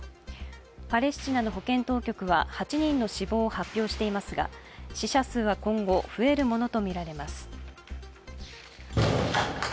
パレスチナの保健当局は８人の死亡を発表していますが死者数は今後増えるものとみられます。